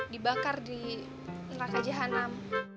dibakar di neraka jahannam